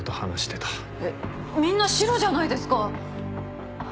えっみんなシロじゃないですか。